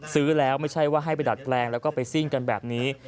ซื้อแล้วไม่ใช่ว่าให้ไปดัดแปลงแล้วก็ไปซิ่งกันแบบนี้